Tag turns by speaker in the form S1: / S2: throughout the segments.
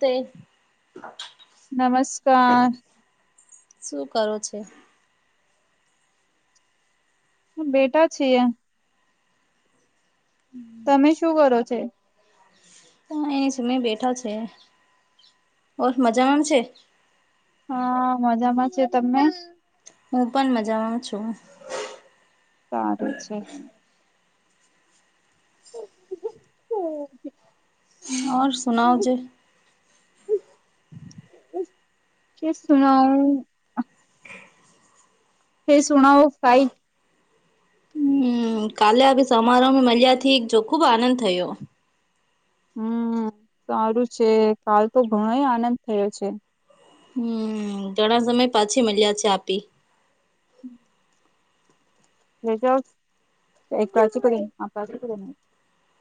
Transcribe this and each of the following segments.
S1: તે
S2: નમસ્કાર
S1: શું કરો છે?
S2: હ બેઠા છીએ. તમે શું કરો છે?
S1: હ એની સમય બેઠા છે ઓર મજામાં છે.
S2: હા મજામાં છે, તમને
S1: હું પણ મજામાં છું.
S2: તાર છે. [inaudible]
S1: ઓર સુનાવ જે. [unintelligible]
S2: કે શુંના હ સુણાઓ કઇટ
S1: હુ કાલે આવી સમારોહ મળ્યા થી જો ખુબ આનંદ થયો.
S2: હું સારું છે કાલ તો ઘણો આનંદ થયો છે.
S1: હુ ઘણા સમય પાછી મળ્યા છે આપી
S2: [inaudible] [unintelligible] [inaudible] [unintelligible]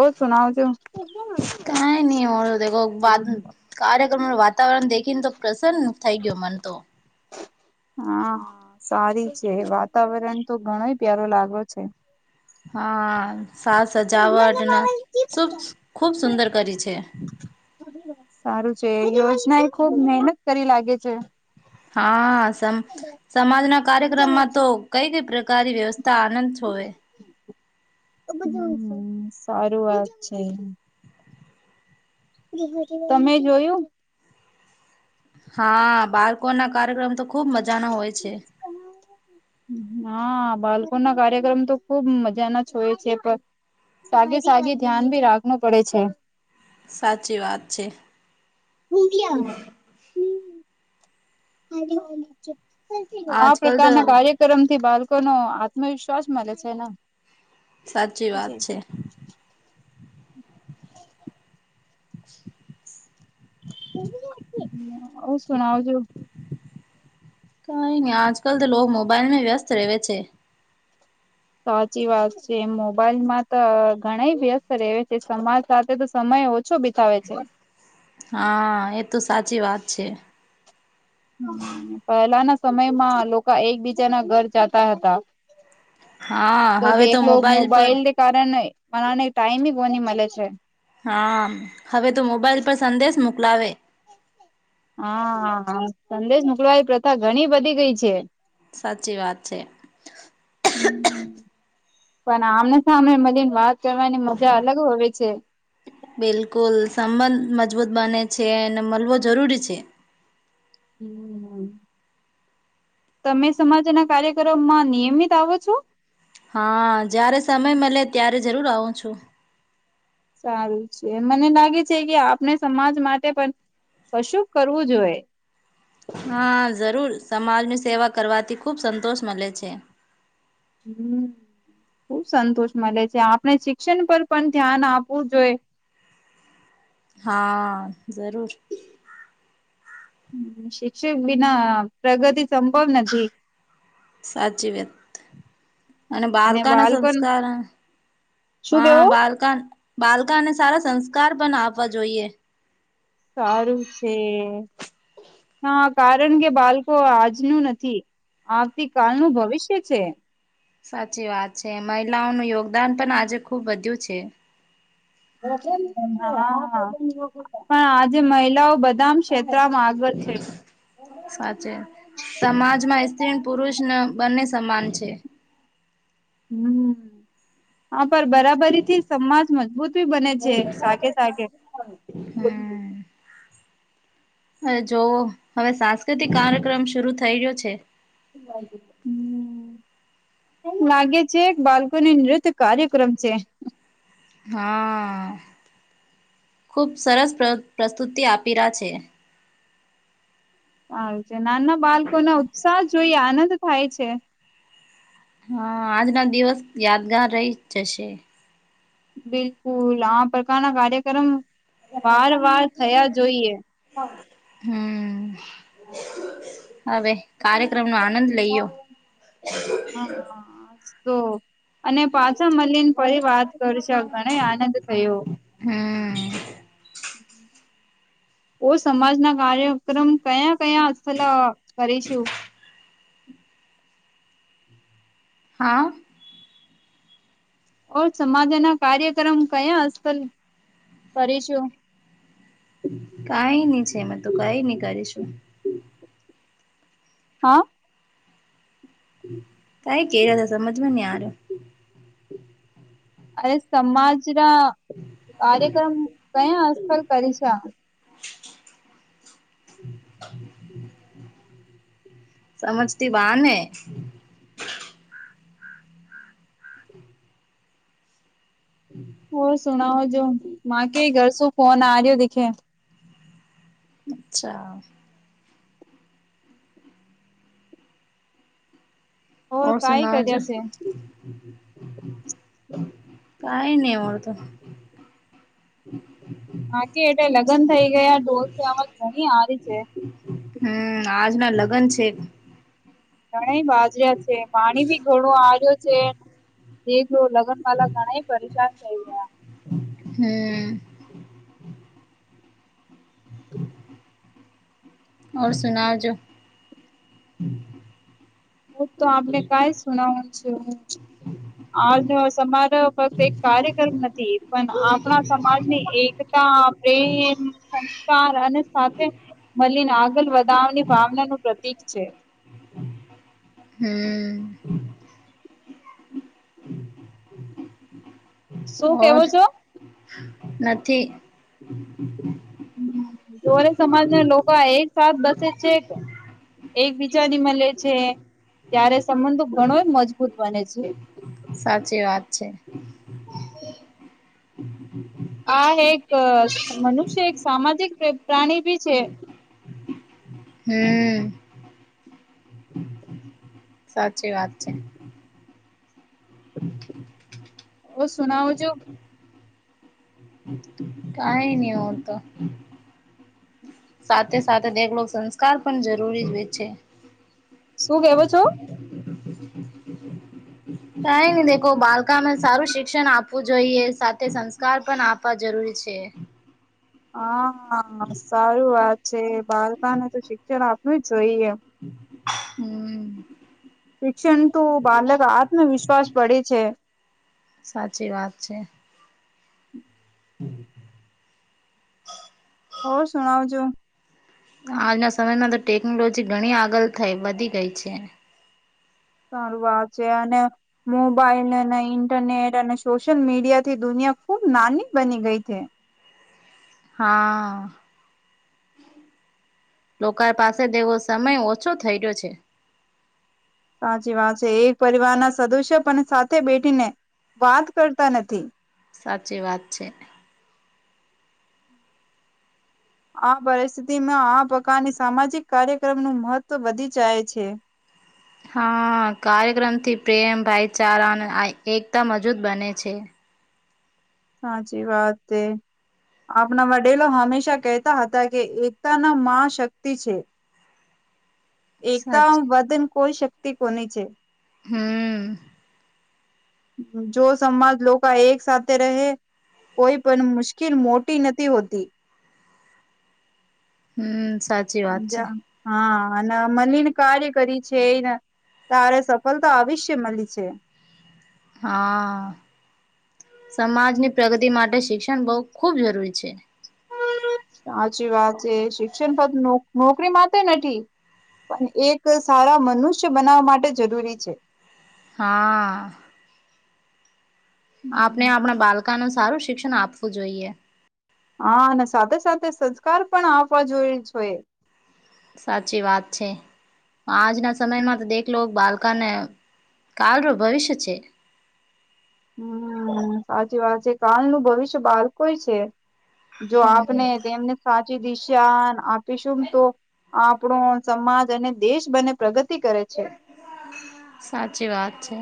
S2: ઓ સુનાઓ છે
S1: ના નો કાર્યક્રમ વાતાવરણ દેખ ન તો પ્રસન્ન થઈ ગયો મન તો
S2: હા હા સારી છે કે વાતાવરણ તો ઘણો પ્યારો લાગ્યો છે
S1: હા સા સજાવટને શુ ખૂબ સુંદર કરી છે
S2: સારું છે યોજના એ ખુબ મહેહનત કરી લાગે છે
S1: હા સમાજના કાર્યક્રમમાં તો કઈ કઈ પ્રકારની વ્યવસ્થા આનંદ હોવે
S2: સારું વાત છે તમે જોયું
S1: હા બાળકો ના કાર્યક્રમ તો ખુબ મજાનો હોય છે
S2: હા બાળકો ના કાર્યક્રમ તો ખુબ મજા ના જ હોય છે પણ સાગે સાગે ધ્યાન રાખવું પડે છે
S1: સાચી વાત છે
S2: [inaudible] આ
S1: આજકાલ તો
S2: પ્રકારના કાર્યક્રમ થી બાળકો નો આત્મવિશ્વાસ મળે છે ને
S1: સાચી વાત છે
S2: [inaudible]
S1: [inaudible]
S2: હું સમજવું છું
S1: કઈ ન અજ કલ તો લોકો મોબાઈલમાં વ્યસ્ત રવે છે
S2: સાચી વાત છે એમ મોબાઈલમાં તો ઘણાય વ્યસ્ત રહે છે સમાજ સાથે તો સમય ઓછો બિતાવે છે
S1: હા એ તો સાચી વાત છે
S2: પહેલાના સમયમાં લોકો એકબીજાના ઘર જતા હતા
S1: હા
S2: તો
S1: હવે
S2: દેખલો
S1: મોબાઈલ પર
S2: મોબાઈલને કારણે મને ટાઈમી કોની મળે છે
S1: હા ના આવા
S2: હા સંદેશ મોકલવાની પ્રથા ઘણી બધી ગઈ છે
S1: સાચી વાત છે
S2: પણ આમને સામે મને વાત કરવાની મજા અલગ હો છે
S1: બિલકુલ સાબંધ મજબૂત બને છે અને મળવો જરૂરી છે
S2: હમ હ તમે સમાજના કાર્યકરોમમાં નિયમિત આવો છો
S1: હા જારે સમય મળે ત્યારે જરૂર આવું છું
S2: સારું છે મને લાગે છે કે આપણે સમાજ માટે પણ કશું કરવું જોઈએ
S1: હા જરૂર સમાજની સેવા કરવાથી ખૂબ સંતોષ મળે છે
S2: [inaudible] બ સંતોષ મળે છે આપણે શિક્ષણ પર પણ ધ્યાન આપવું જોઈ
S1: હા જરૂર
S2: શિકષ બના પ્રગતિ સંભવ નથી
S1: સાચી વ્યત અને. બાલકાના સંસ્કાર
S2: શું
S1: હા
S2: કેવું?
S1: બાલકને સારા સંસ્કાર પણ આપવા જોઈએ
S2: સારું છે હા કારણ કે બાળકો આજનું નથી આવતી કાલનું ભવિષ્ય છે
S1: સાચી વાત છે મહિલાઓનું યોગદાન પણ આજે ખુબ વધ્યું છે
S2: પણ આજે મહિલાઓ બધા આગળ છે
S1: સાચે સમાજમાં, સ્ત્રી પુરુષ બંને સમાન છે.
S2: હમ, હા પણ બરાબરીથી સમાજ મજબૂત બને છે.
S1: હ, જોવ હવે સાંસ્કૃતિક કાર્યક્રમ શરુ થઈ રહ્યો છે.
S2: હમ એમ લાગે છે, બાળકોને નૃત્ય કાર્યક્રમ છે.
S1: હા ખૂબ સરસ પ્રસ્તુતિ આપી્યા છે.
S2: સારું છે, નાના બાળકોને ઉત્સાહ જોઈ આનંદ થાય છે.
S1: હા, આજનો દિવસ યાદગાર રહી જશે
S2: બિલકુલ, આ પ્રકારના કાર્યક્રમ વાર વાર થયા, જોઈએ
S1: હમ હવે, કાર્યક્રમ નો આનંદ લઈયો
S2: હા અને પાછા મલીને ફરી વાત કરજ ઘણ આનંદ થયો.
S1: હમ
S2: ઓ સમાજ ના કાર્યક્રમ કયા કયાલા કરીશું
S1: હા
S2: ઓ સમાજના કાર્યક્રમ કયા આજકલ કરીશું.
S1: કઈ નહી છે, એમાં તોું કઈ નહી કરીશું
S2: હા
S1: ત એ કે જ તો સમજમાં નહી આર્યો
S2: અરે સમાજ ના કાર્યક્રમ કયા અથલ કરી છે
S1: સમજતી વાળ ને
S2: હો સુણાવો જો માકે ઘર શું ફોન આ રહ્યો દેખે
S1: અચ્છા. ઓર
S2: કાઈ
S1: સુનાજ
S2: કર્યા છે
S1: કઈ નહી મળર તો
S2: બાકી એટલે લગ્ન થઇ,
S1: હમ
S2: ગયા ડોરથી આવજ ઘણી હારી છે.
S1: હમ આજના લગ્ન છે.
S2: ઘણા બાજર્યા છે, પાણી બી ઘણો આવ્યો છે. જો લગન માલા ઘણા પરેશાન થઈ, ગયા.
S1: હમ ઓ સુના જોો.
S2: હું, તો આપને કઈ સુનાવનું છ હું આજ સમાજ ફક્ત એક કાર્યક્રમ નથી, પણ આપણા સમાજની એકતા પ્રેમ સંસ્કાર અને સાથે મલીન આગળ વધાવાની ભાવનાનું પ્રતીક છે
S1: હમ્મ.
S2: શું
S1: ઓર
S2: કેવો છો.
S1: નથી.
S2: સોર સમાજના લોકો એ સાત બસે છે એકબીજાની મળે છે ત્યારે સંબંધો ઘણોએ મજબૂત બને છે.
S1: સાચી વાત છે.
S2: આ એક મનુષ્ય એક સામાજિક પ્રાણી ભી છે.
S1: હમ્મ. સાચી વાત છે. હમ
S2: સુનાવો છો
S1: કઈ નહી હોતો સાથે-સાથે તેમનો સંસ્કાર પણ જરૂરી છે.
S2: શું કેવો છો?
S1: કઈ નહી દેખો બાળકામાં સારું શિક્ષણ આપવું જોઈએ સાથે સંસ્કાર પણ આપવા જરૂરી છે છે.
S2: હા સારું વાત છે બાળકાને તો શિક્ષણ આપવું જ જોઈએ.
S1: હમ્મ.
S2: શિક્ષણ તો બાળક આત્મવિશ્વાસ પડે છે.
S1: સાચી વાત છે. હમ્મ.
S2: હા સુણાવજો.
S1: આજના સમયમાં તો ટેકનોલોજી ઘણી આગળ થઈ વધી ગઈ છે.
S2: સારું વાત છે અને મોબાઈલ અને ઇન્ટરનેટ અને સોશિયલ મીડિયા થી દુનિયા અને ખૂબ નાની બની ગઈ છે
S1: હા. લોકો પાસે તેવો સમય ઓછો થઈ ગયો છે.
S2: સાચી વાત છે એક પરિવારના સદસ્ય પણ સાથે બેઠીને વાત કરતા નથી.
S1: સાચી વાત છે.
S2: આ પરિસ્થિતિમાં આ પ્રકારની સામાજિક કાર્યક્રમનું મહત્ત્વ વધી જાય છે.
S1: હા કાર્યક્રમથી પ્રેમ ભાઈચારા અને એકતા મજબૂત બને છે.
S2: સાચી વાત છે. આપણા વડીલો હંમેશા કહેતા હતા કે એકતાના મા શક્તિ છે. એકતાઓ
S1: સાચી
S2: વધે ને કોઈ શક્તિ કોની છે,
S1: હમ્મ.
S2: જો સમાજના લોકો એક સાથે રહે કોઈ પણ મુશ્કેલ મોટી નથી હોતી.
S1: હમ્મ.
S2: હા, અને મળીને કાર્ય કરી છે એને તારે સફળતા અવિશ્ય મળી છે.
S1: હા. સમાજની પ્રગતિ માટે શિક્ષણ બહુ ખૂબ જરૂરી છે.
S2: સાચી વાત છે શિક્ષણ પર નોકરી માટે નથી પણ એક સારા મનુષ્ય બનાવવા માટે જરૂરી છે.
S1: હા. આપણે આપણા બાળકાનું સારું શિક્ષણ આપવું જોઈએ.
S2: હા અને સાથે-સાથે સંસ્કાર પણ આપવા જોઈએ છીએ.
S1: સાચી વાત છે, આજના સમયમાં તો દેખીલો બા કને કાલનું ભવિષ્ય છે.
S2: હમ્મ, સાચી વાત છે, કાલનું ભવિષ્ય બાળક પર જ છે. જો,
S1: હમ
S2: આપણે એમને સા દિશા આપીશું તો આપણો સમાજ અને દેશ બંને પ્રગતિ કરે છે.
S1: સાચી, વાત છે.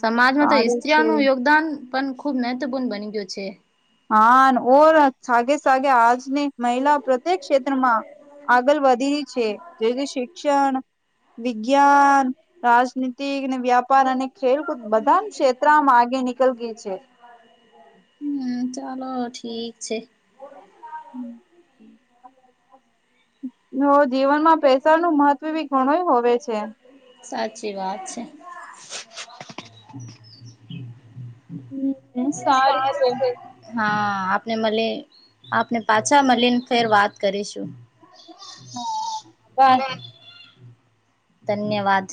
S1: સમાજમાં તો
S2: સારું છે
S1: ઇસ્ત્રીઓનું યોગદાન પણ ખુબ મહત્વપૂર્ણ બની ગયું છે.
S2: હા, અને ઓર સાગે સાગે આજ મહિલા પ્રત્યેક ક્ષેત્રમાં આગળ વધી છે. જે શિક્ષણ, વિજ્ઞાન, રાજનીતિકને વ્યાપાર અને ખેલકૂદ બધા ક્ષેત્રમાં આગે નીકળ ગઈ છે.
S1: હમ ચાલો, ઠીક છે.
S2: જીવનમાં પ્રેશરનું મહત્વ બી ઘણુંય હોવે છે.
S1: સાચી, વાત છે.
S2: હમ સારું છે
S1: હા આપને મળી આપને પાછા મળીને ફેર વાત કરીશું
S2: હા બસ
S1: ધન્યવાદ